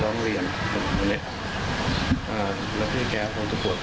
ข้างบ้านเจ้าหน่ายแกข้างบ้านเจ้าหน่ายแก